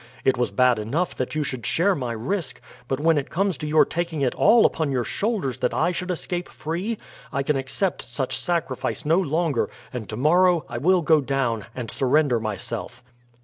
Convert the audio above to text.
It was bad enough that you should share my risk, but when it comes to your taking it all upon your shoulders that I should escape free, I can accept such sacrifice no longer; and to morrow I will go down and surrender myself."